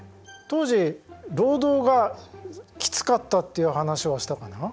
当時労働がきつかったっていう話はしたかな？